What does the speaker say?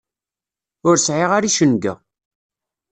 Ur sɛiɣ ara icenga.